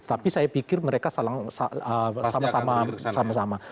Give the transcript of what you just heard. tapi saya pikir mereka sama sama